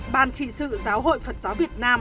ban trị sự giáo hội phật giáo việt nam